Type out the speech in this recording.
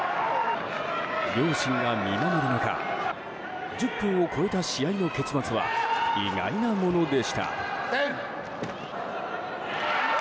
両親が見守る中１０分を超えた試合の結末は意外なものでした。